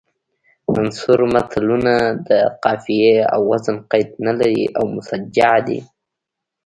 منثور متلونه د قافیې او وزن قید نه لري او مسجع دي